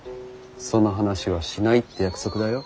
その話はしないって約束だよ。